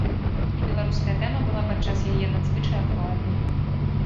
І беларуская тэма была падчас яе надзвычай актуальнай.